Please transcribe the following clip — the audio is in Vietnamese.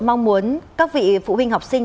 mong muốn các vị phụ huynh học sinh